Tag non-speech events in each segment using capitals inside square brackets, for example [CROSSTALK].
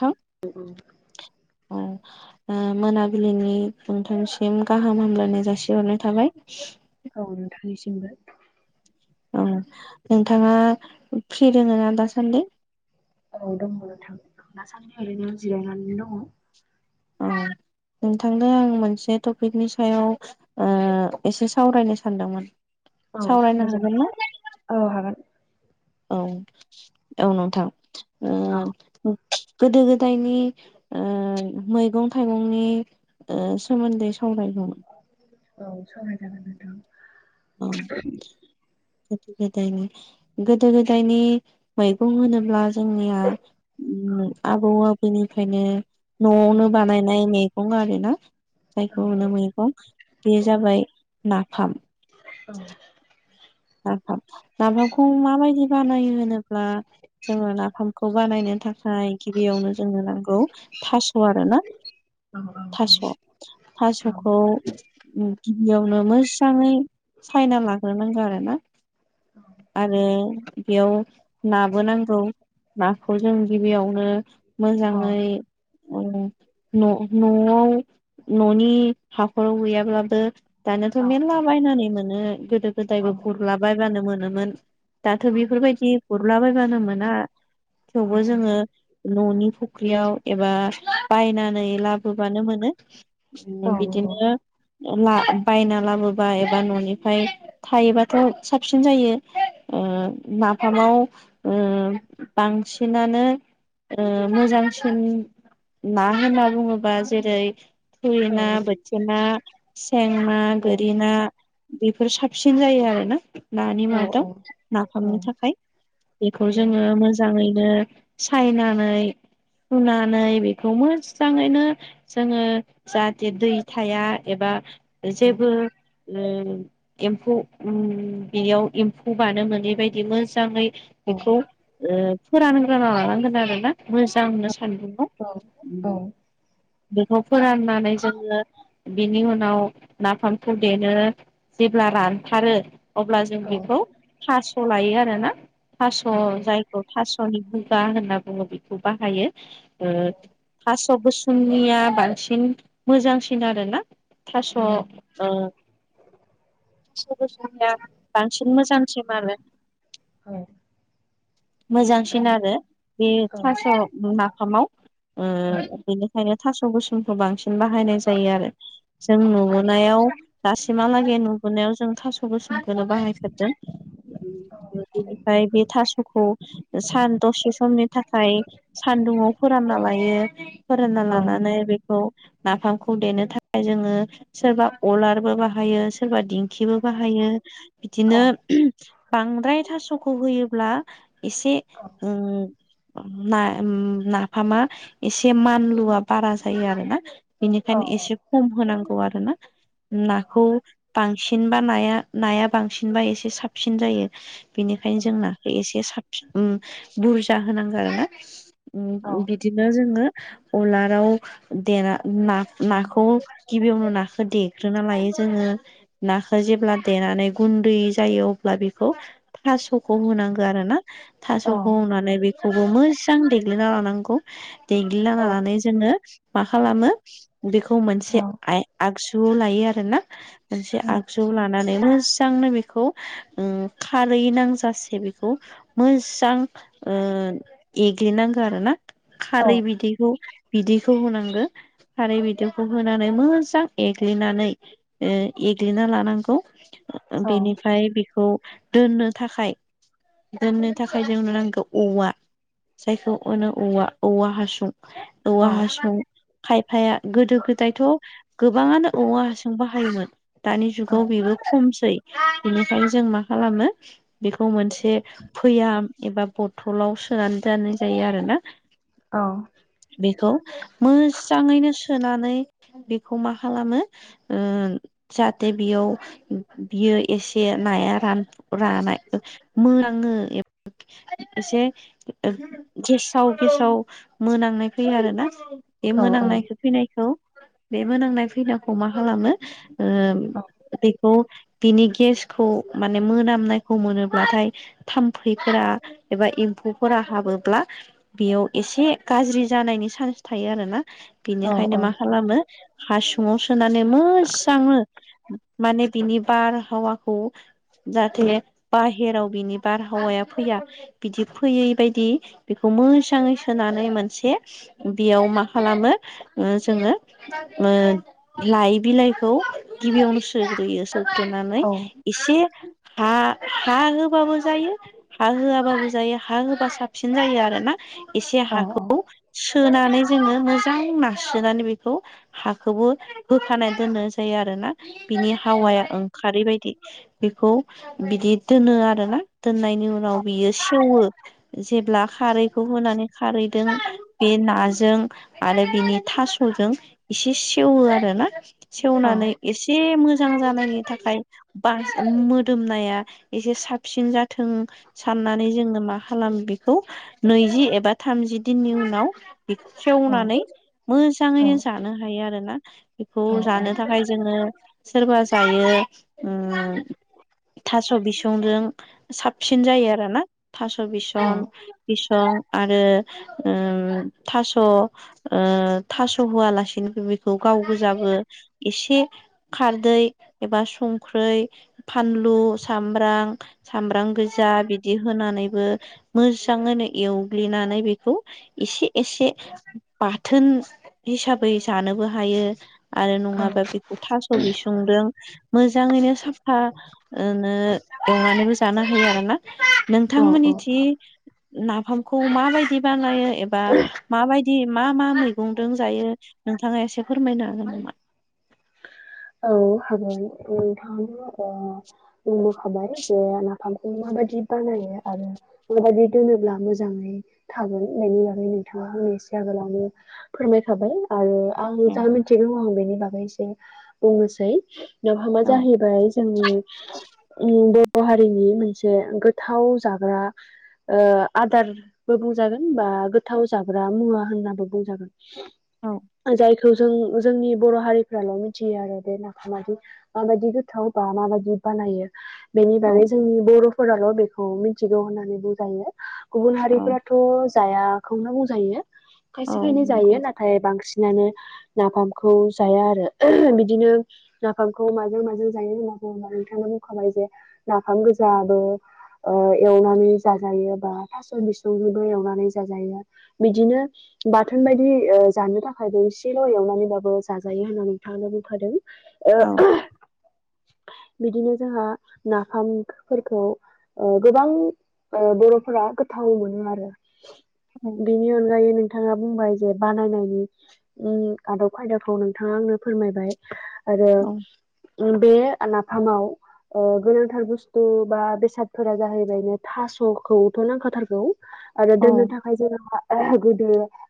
थां [INAUDIBLE] औ ओ मोनाबिलिनि नोंथांसिम गाहाम हामलायनाय जासिहरनाय थाबाय। औ नोंथांनिसिमबो। ओं नोंथाङा फ्रि दंओ ना दासान्दि? औ दङ नोंथां दासान्दि ओरैनो जिरायनानै दङ। औ नोंथांनो आं मोनसे टपिकनि सायाव ओ एसे सावरायनो सानदोंमोन। औ सावरायनो हागोन ना सावरायजागोन, औ हागोन औ औ नोंथां औ ओ गोदो गोदायनि ओ मैगं थाइगंनि ओ सोमोन्दै सावरायगौमोन। औ सावरायजागोन औ नोंथां। गोदो गोदायनि, गोदो गोदायनि मैगं होनोब्ला जोंनिया औ ओम आबौ आबैनिफ्रायनो औ न'आवनो बानायनाय मैगं गं आरोना औ जायखौ नो मैगं बे जाबाय नाफाम [INAUDIBLE] नाफाम नाफामखौ माबायदि बानायो होनो ब्ला जोङो नाफामखौ बानायनो थाखाय गिबियावनो जोंनो नांगौ थास' आरो ना औ औ औ नंगौ थास' औ औ थास'खौ गिबियावनो मोजाङै सायना लाग्रोनांगौ आरो ना। औ आरो बेयाव नाबो नांगौ नाखौ जों गिबियावनो औ मोजाङै न न'आव न'नि हाखराव गैयाब्लाबो दानखथ' औ मेरला बायनानै मोनो गोदो औ औ गोदायबो गुरलाबायबानो मोनोमोन। दाथ' बेफोरबायदि गुरलाबायबानो मोना थेवबो जोङो न'नि फुख्रियाव एबा बायनानै लाबोबानो मोनो। औ बिदिनो बायना लाबोबा एबा न'निफ्राय थायोबा थ साबसिन जायो ओ नाफामाव ओ बांसिनानो नो ओ मोजांसिन ना होनना बुङोबा जेरै थुरि ना बोथिया ना सें ना गोरि ना बेफोर साबसिन जायो आरोना। नानि मादाव नाफामनो थाखाय बेखौ जोङो मोजाङै नो सायनानै सुनानै बेखौ मोजाङैनो जोङो जाहाथे दै थाया एबा जेबो ओ एम्फौ [UNINTELLIGIBLE] बेयाव एम्फौ बानो मोनैबायायदि मोजाङै बेखौ ओ फोरानग्रोना लानांगोन आरोना मोजांनो सान्दुंआव। बेखौ फोराननानै जोङो बिनि उनाव नाफामखौ देनो जेब्ला [UNINTELLIGIBLE] खारो अब्ला जों बेखौ थास' लायो आरोना थास' जायखौ थास' मुगा होनना बुङो बेखौ बाहायो ओ थास थास' गोसोमनिया बांसिन मोजांसिन आरोना थास' ओ थास' गोसोमनिया बांसिन मोजांसिन आरो औ मोजांसिन आरो बे थास' माफामाव बिनिखायनो थास' गोुसुंखौ बांसिन बाहायनाय जायो आरो जों नुबोनायाव दासिमहालागै नुबोनायाव जों थास' गोस बेखौनो बाहायखारदों बेनिफ्राय बे थास'खौ सान दसे समनि थाखाय सानदुंयाव फोराना लायो बे फोरानना लानानै बेखौ नाफामखौ देनो थाखाय जोङो सोरबा अलारबो बाहायो सोरबा दिंखिबो बाहायो औ बिदिनो बांद्राय थास'खौ होयोब्ला एसे औ उ नाफामा एसे मानलुवा बारा जायो आरो ना औ बेनिखायनो एसे खम होनांगौ आरो ना नाखौ बांसिन बा नाया नाया बांसिनबा एसे साबसिन जायो। औ बेनिखायनो जों नाखौ एसे साबसिन बुरजा होनांगौ आरोना औ बिदिनो जोङो उलाराव देना नाखौ गिबियावनो नाखौ देग्रोना लायो जोङो नाखौ जेब्ला देनानै गुन्दै जायो अब्ला बेखौ थास'खौ होनांगौ आरो ना थास' हनानै बेखौबो मोजां देग्लिना लानांगौ देग्लिना औ लानानै जोङो मा खालामो बेखौ मोनसे औ आ आगजु आगजु लायो आरो ना मोनसे आगजु लानानै मोजांनो बेखौ खारै नांजासे बेखौ मोजां एग्लिनांगौ आरो ना खारै बिदैखौ बिदैखौ होनांगौ खारै बिदैखौ होनानै मोजां एग्लिनानै एग्लिना लानांगौ बेनिफ्राय बेखौ दोननो थाखाय दोननो थाखाय जोंनो नांगौ औवा जायखौ होनो औवा औवा हासुं औ आंहा सं खायफाया गोदो गोदायथ' गोबाङानो औवा हासों बाहायोमोन दानि जुगाव बेबो खमन खमसै बेनिखायनो जों माखालामो बेखौ मोनसे भयाम एबा बथलाव आव सोनानै दोननाय जायो आरोना औ बेखौ मोजाङैनो सोनानै बेखौ मा खालामो जाहाथे बेयाव बियो एसे नाया रान रानाय मोजां ओ एसे गेसाव गेसाव मोनांनाय फैयो आरो ना बे मोनांनाय फैनायखौ बे मोनांनाय फैनायखौ मा खालामो ओ बेखौ बिनि गेसखौ माने मोनामनायखौ मोनोब्लाथाय थाम्फैफोरा एबा एम्फौफोरा हाबोब्ला बेयाव एसे गाज्रि जानायनि चान्स थायो आरोना बिनिखायनो मा खालामो हासुङाव सोनानै मोजाङो माने बिनिबार हावाखौ जाहाथे बाहेराव बिनि बारहावाया फैया बिदि फैयै बायदि बेखौ मोजांयै सोनानै मोनसे बेयाव मा खालामो जोङो लाइ बिलाइ खौ गिबियावनो सोग्रोयो सग्रोनानै एसे हा हा होबाबो जायो हा होआबाबो जायो हा होबा साबसिन जायो आरो ना एसे औ हाखौ सोनानै जोङो मोजां नास्रोनानै बेखौ हाखौबो होखानाय दोननो जायो आरो ना बिनि हावाया ओंखारै बायदि बेखौ बिदि दोनो आरोना दोननायनि उनाव बियो सेवो जेब्ला खारैखौ होनानै खारैजों बे नाजों आरो बेनि थास'जों एसे सेवो आरो ना सेवनानै एसे मोजां जानायनि थाखाय बा मोदोमनाया एसे साबसिन जाथों साननानै जोंनो मा खालाम बेखौ नैजि एबा थामजि दिननि उनाव खेवनानै मोजाङैनो जानो हायो आरोना बेखौ जानो थाखाय जोङो सोरबा जायो थास' बिसंजों साबसिन जायो आरो ना थास' बिसन बिसन आरो थास'होआलासिनोबो बेखौ गाव गोजाबो एसे खारदै एबा संख्रै फानलु सामब्राम सामब्राम गोजा बिदि होनानैबो मोजाङैनो एवग्लिनानै बेखौ एसे एसे बाथोन हिसाबै जानोबो हायो आरो नङाबा बेखौ थास' बिसंदों मोजाङैनो साफा नो एवनानैबो जानो हायो आरो ना नोंथांमोननि औ थिं नाफामखौ माबायदि बानाय एबा माबायदि मा मा मैगंदों जायो नोंथाङा एसे फोरमायनो हागोन नामा औ हागोन नोंथांनो बुंबोखाबाय जे नाफामखौ माबादि बानायो आरो माबादि दोनोब्ला मोजाङै थागोन बेनायनि बागै नोंथांया एसे आगोलावनो फोरमायखाबाय आरो आं औ जा मिथिगौ आं बेनि बागै एसे बुंनोसै नाफामहा औ जाहैबाय जोंनि ओम बर' बर' हारिनि मोनसे गोथाव जाग्रा आदारबो बुंजागोन बा गोथाव जाग्रा मुवा होननाबो बुंजागोन जायखौ जों जोंनि बर' हारिफ्राल' मि थियो आरो बे नाखौ मायदि माबायदि गोथाव बा माबायदि बानायो बेनि औ बागै जोंनि बर'फोराल बेखौ मिथिगौ होननानै बुजायो गुबुन औ हारिफोराथ जायाखौनो बुंजायो औ खायसे खायनै जायो नंगौ नाथाय बांसिन सिनानो नाफामखौ जाया आरो बिदिनो नाफामखौ माजों माजों जायो होना बुङबा नोंथां बुंखाबाय जे नाफाम गोज जादो ओ एवनानै जाजायो बा थास‌ बिसंजोंबो एवनानै जाजायो बिदिनो बाथोन बायदि ओ‌ जानो थाखाय जों इसेल एवनानैब्लााबो जाजायो होननानै जों हानो औ होफादों ओ बिदिनो जोंहा नाफामफोरखौ ओ गोबां ओ बरफोरा गोथाव मोनो आरो औ बेनि अनगायै नोंथाङा बुंबाय जे बानायनायनि उम आदब खायदाखौ नोंथाङा आंनो फोरमायबाय आरो औ उम बे नाफामाव ‌ओ‌गोनांथार बुस्थु बा बेसादफोरा जाहैबायनो थासखौथ नांखाथारगौ आरो दोननो औ थाखाय जोंहा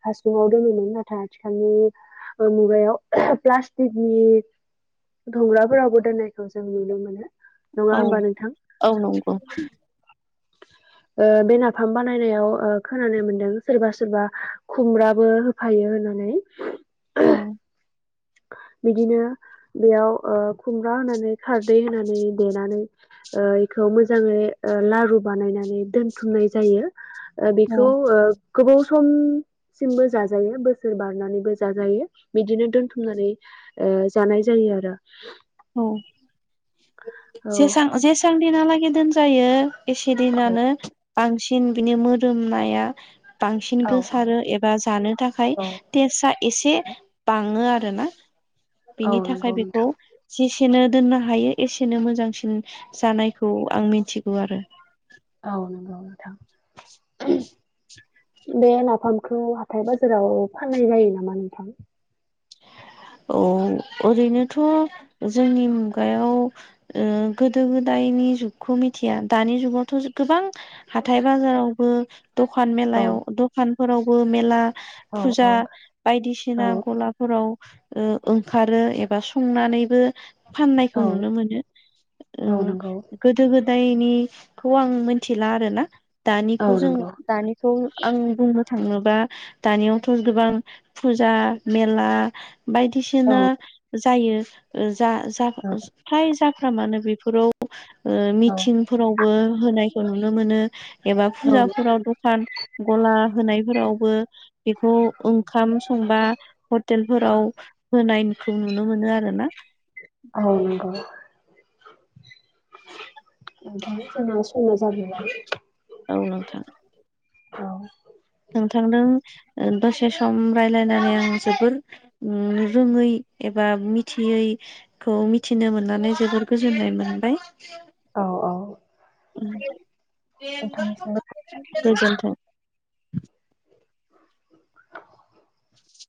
हासुंआव दोनोमोन नाथाय आथिखालनि मुगायाव [UNINTELLIGIBLE] धंग्राफोरावबो दोननायखौ जों नुनो मोनो नङा औ होमबा नोंथां औ नंगौ ओ बे नाफाम बानायनायाव ओ खोनानो मोनदों सोरबा सोरबा खुमब्राबो होफायो [UNINTELLIGIBLE] नानै औ बिदिनो बेयाव ओ खुमब्रा होनानै खारदै होनानै देनानै ओ इखौ मोजाङै ओ लारु बानायनानै दोनथुमनाय जायो। ओ बेखौ औ ओ‌‌ गोबाव थुम सिमबो जाजायो बोसोर बारनानैबो जाजायो बिदिनो दोनथुम नानै ओ जानाय जायो आरो। औ औ। जेसां जेसां दिनालागै दोनजायो एसे औ दिनानो बांसिन बिनि मोदोमनाया बांसिन औ गोसारो एबा जानो थाखाय औ टेस्टआ एसे बाङो आ रोना औ बेनि थाखाय नंगौ बेखौ नोंथां जेसेनो दोननो हायो एसेनो मोजांसिन जानायखौ आं मिथिगौ आरो। औ [UNINTELLIGIBLE] बे नाफामखौ हाथाय बाजाराव फाननाय जायो नामा नोंथां? [UNINTELLIGIBLE] औ ओरैनोथ' जोंनि मुगायाव ओ गोदो गोदाय नि जुगखौ मिथिया दानि जुगावथ' गोबां हाथाय बाजारावबो दखान औ मेलायाव दखानफोरावबो मेला औ फुजा औ औ बायदिसिना गलाब आव ओ ओंखारो एबा संनानैबो फाननायखौ औ नुनो मोनो ओ औ नंगौ गोदो गो दायनिखौ आं मोनथिला आरो ना औ दानिखौ जों नंगौ दानिखौ आं बुंनो थाङो बा दानियावथ' गोबां फुजा मेला औ बायदिसिना जायो ओ जा जा औ फ्राय जा फ्रामानो बेफोराव ओ औ मिथिंफोरावबो होनायखौ नुनो मोनो। एबा औ फुजाफोराव दखान गला होनायफोरावबो बेखौ ओंखाम सं बा हटेलफोराव होनायखौ नुनो मोनो आरोना। औ नंगौ [UNINTELLIGIBLE] संना‌ जाबोबाय औ नोंथां। औ नोंथांदों ओ दसे सम रायलायनानै आं जोबोर ओम रोङै एब बा मिथियैखौ मिथिनो मोननानै जोबोर गोजोननाय मोनबाय। औ औ नोंथांनिसिमबो [UNINTELLIGIBLE] गोजोनथों